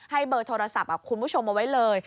ให้เบอร์โทรศัพท์อบคุณผู้ชมมาไว้เลย